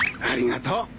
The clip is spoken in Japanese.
ありがとう。